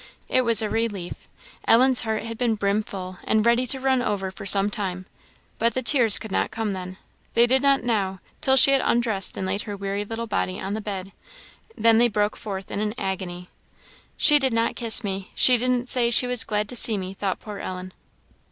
It was a relief. Ellen's heart had been brimful, and ready to run over for some time, but the tears could not come then. They did not now, till she had undressed and laid her weary little body on the bed: then they broke forth in an agony. "She did not kiss me! she didn't say she was glad to see me!" thought poor Ellen.